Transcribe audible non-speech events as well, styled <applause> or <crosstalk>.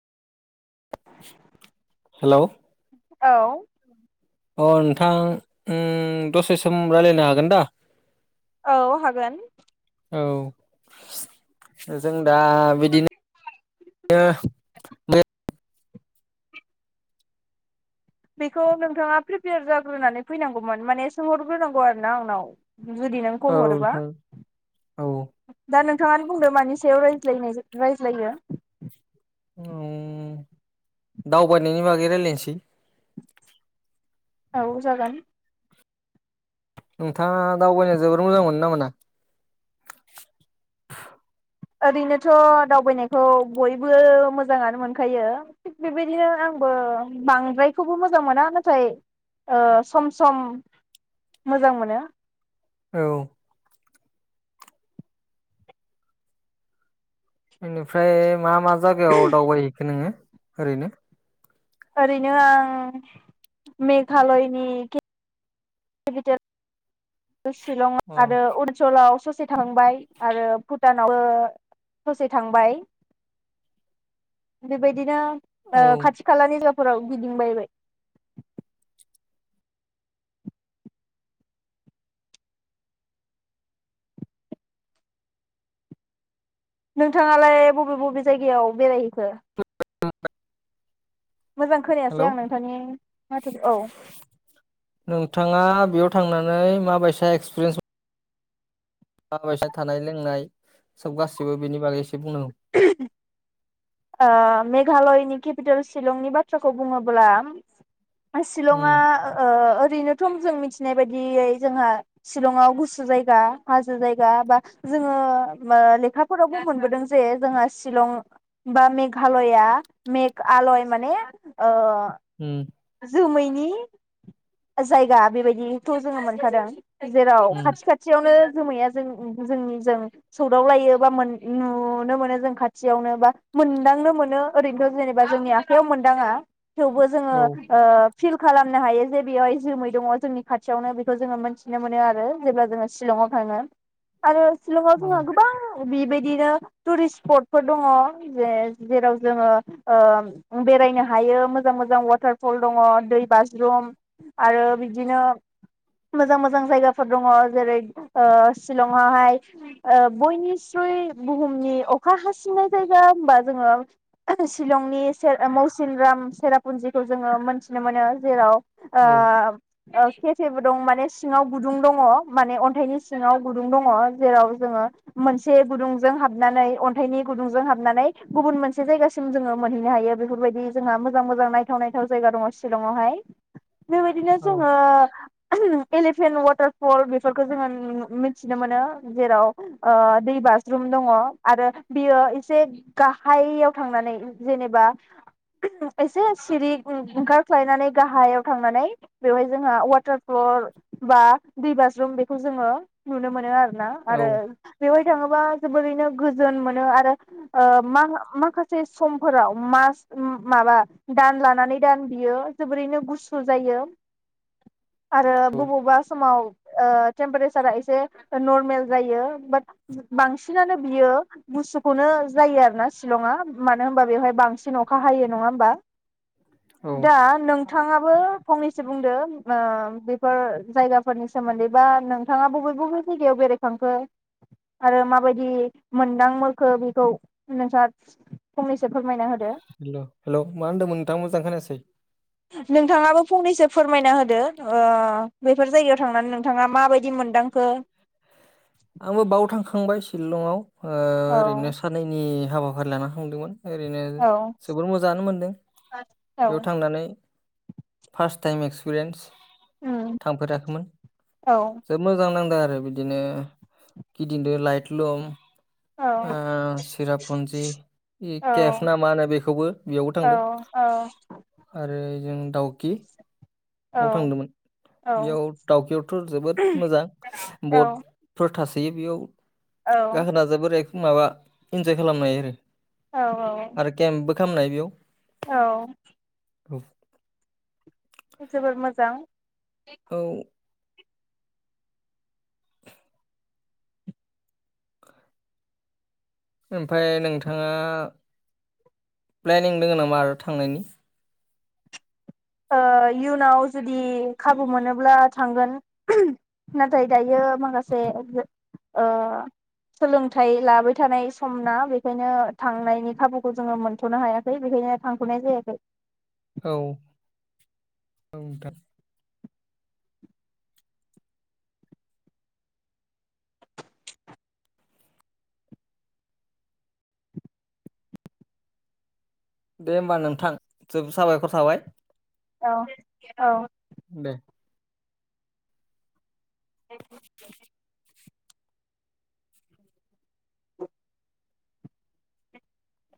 हेल' औ अ नोंथां ओम दसे सम रायलायनो हागोन दा औ हागोन औ जों दा बिदिनो बेखौ नोंथाङा प्रिपेयार जाग्रोनानै फैनांगौमोन माने सोंहरग्रोनांगौ आरो ना आंनाव जुदि नों कल हरोबा नोंथां औ दा नोंथाङानो बुंदो मानि सायाव राय ज्लाय रायज्लायो दावबायनायनि बागै रायलायनोसै औ जागोन नोंथाङा दावबायनाय जोबोर मोजां मोनो ना मोना? ओरैनोथ' दावबायनायखौ बयबो मोजाङानो मोनखायो थिग बेबायदिनो आंबो बांद्रायखौबो मोजां मोना नाथाय ओ सम सम मोजां मोनो औ बेनिफ्राय मा मा जागायाव दावबायहैखो नोङो? ओरैनो ओरैनो आं मेघालयनि केपिटेल शिलं अ आरो अरुणाचलाव ससे से थांबाय आरो भुटानावबो ससे थांबाय बेबायदिनो औ खाथि खालानि जा फोराव गिदिंबायबाय नोंथाङालाय बबे बबे जायगायाव बेरायहैखो? मोजां खोनायासै हेलौ आं नोंथांनि माथो औ नोंथाङा बेयाव थांनानै माबायसा एक्सपिरियेन्स माबायसा थानाय लोंनाय सब गासिबो बेनि बागै एसे बुंनो ओ मेघालयनि केपिटेल शिलंनि बाथ्राखौ बुङोब्ला शिलंआ उम ओ ओरैनोथ' जों मिथिनाय बायदियै जोंहा शिलंआव गुसु जायगा हाजो जायगा बा जोङो लेखाफोरावबो मोनबोदों जे जोंहा शिलं बा मेघालया मेघालय माने ओ ओम जोमैनि जायगा बेबायदिथ' जोङो मोनखादों जेराव खाथि उम खाथियावनो जोमैया जों जोंनि जों सौदाव लायो बा नुनो मोनो जों खाथियावनो बा मोनदांनो मोनो ओरैनोथ' जेनेबा जोंनि आखाइयाव मोनदाङा थेवबो जोङो औ ओ फिल खालामनो हायो जे बेवहाय जोमै दङ जोंनि खाथियावनो बेखौ जोङो मोनथिनो मोनो आरो जेब्ला जोङो शिलंआव थाङो। आरो सिलंआव जोंहा उम गोबां बिबायदिनो टुरिस्ट स्पटफोर दङ। जे जेराव जोङो ओ बेरायनो हायो मोजां मोजां वाटार फल दङ दै बाज्रुम आरो बिदिनो मोजां मोजां जायगाफोर दङ जेरै ओ सिशलङावहाय बयनिस्रुइ बुहुमनि अखा हासिन्नाय जायगा गा होनबा जोङो शिलंनि से मौसिनराम सेरापुन्जिखौ जोङो मोनथिनो मोनो जेराव औ ओ खेफेबो दं मान सिङाव गुुं दङ मान अन्थाइनि सिङाव गुदुं दङ जेराव जोङो मोनसे गुदुंजों हाबनानै अन्थाइनि गुदुंजों हाब नानै गुबुन मोनसे जायगासिम जोङो मोनहैनो हायो बेफोरबायदि जोंहा मोजां मोजां नायथाव नायथाव जायगा दङ शिलङावहाय। बेबायदिनो औ जोङो एलिफेन्ट वाटार फल बेफोरखो जोङो नु नु मिथिनो मोनो जेराव ओ दै बाजरुम दङ आरो बियो एसे गाहायाव थांनानै जेनेबा एसे सिरि ओंखारख्लायनानै गाहायाव थांनानै बेवहाय जोंहा वाटार फ्लर बा दै बाजरुम बेखौ जोङो नुनो मोनो आ ना आरो औ बेवहाय थाङोबा जोबोरैनो गोजोन मोनो आरो ओ मा-माखासे समफोराव मास माबा दान लानानै दान बियो जोबोरैनो गुसु जायो आरो औ बबावबा समाव ओ टेम्पारेसारा एसे नरमेल जायो बाट बांसिनानो बियो गुसु खौनो जायो आरो ना शिलङा मानो होनबा बेवहाय बांसिन अखा हायो नङा होमबा? हेल' दा नोंथाङा बो फंनैसो बुंदो ओ जायगाफोरनि सोमोन्दै बा नोंथाङा बबे बबे जायगायाव बेरायखांखो आरो मा बायदि मोनदां खो बेखौ नोंथाङा फंनैसो फोरमायना होदो हेल हेलौ मा होनदोंमोन नोंथाङा मोजां खोनासै। नोंथाङाबो फंनैसो फोरमायना होदो ओ बेफोर जायगायाव थांनानै नोंथाङा माबायदि मोनदांखो। आंबो बाव थांखांबाय शिलङाव ओ औ ओरैनो साननैनि हाबा फारि लाना थांदोंमोन। ओरैनो औ जोबोर मोजाङानो मोनदों बेयाव औ थांनानै फार्स्ट टाइम एक्स पिरेन्टस उम थांफेराखैमोन औ जोब मोजां नांदो ओ बिदिनो। गिदिंदो लायट लुम। औ ओ सिरापुजि औ केफ ना मा होनो बेखौबो बेयावबो औ थांदों औ आरो उम दाउकि। औ आव थांदोंमोन औ बेयाव दावकियावथ' जोबोद मोजां औ बटफोर थासोयो बेयाव। जाहोना जोबोर एक माबा इन्जय खालामनो हायो आरो। औ आरो केम्पबो खालामनो औ औ। औ। जोबोर मोजां। औ। ओमफाय नोंथाङा प्लेनिं दोङो नामा आरो थांनायनि ओ इयुनाव जुदि खाबु मोनोब्ला थांगोन <unintelligible> नाथाय दायो माखासे ओ सोलोंथाइ लाबाय थानाय सम ना बेखायनो थांनायनि खाबुखौ जोङो मोनथनो हायाखै बेखायनो थांथनाय जायाखै। औ। औ नोंथां। दे होमबा नोंथां जोब साबायखर थाबाय। औ औ दे <unintelligible>